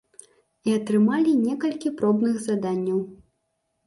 І атрымалі некалькі пробных заданняў.